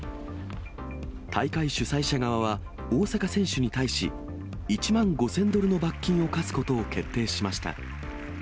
大会主催者側は大坂選手に対し、１万５０００ドルの罰金を科すことを決定しました。